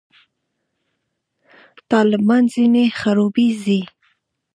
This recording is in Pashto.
طالبان ځنې خړوبېږي.